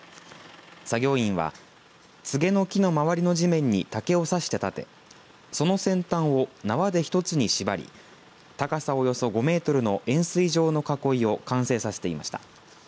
作業員はつげの木の周りの地面に竹を差して立てその先端を縄で一つに縛り高さおよそ５メートルの円すい状の囲いを完成させていました。